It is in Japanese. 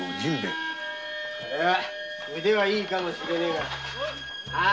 腕はいいかもしれねえがああ